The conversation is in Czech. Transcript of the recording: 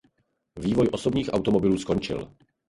Vývoj osobních automobilů skončil.